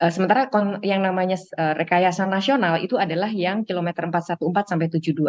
sementara yang namanya rekayasa nasional itu adalah yang kilometer empat ratus empat belas sampai tujuh puluh dua